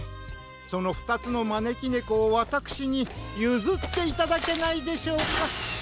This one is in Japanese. そのふたつのまねきねこをわたくしにゆずっていただけないでしょうか？